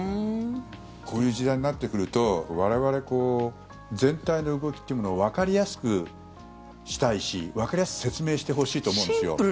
こういう時代になってくると我々、全体の動きというものをわかりやすくしたいしわかりやすく説明してほしいと思うんですよ。